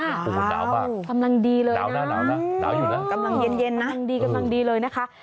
อ้าวหนาวค่ะหนาวนะหนาวอยู่นะคำลังดีเลยนะคะ